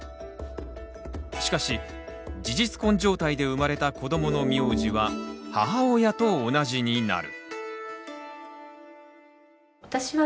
しかし事実婚状態で生まれた子どもの名字は母親と同じになる。